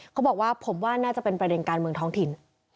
เขาบอกว่าผมว่าน่าจะเป็นประเด็นการเมืองท้องถิ่น